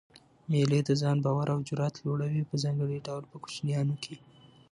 مېلې د ځان باور او جرئت لوړوي؛ په ځانګړي ډول په کوچنيانو کښي.